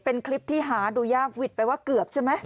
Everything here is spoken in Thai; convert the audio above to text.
เป็นคลิปที่หาดูยากหวิดไปว่าเกือบใช่ไหม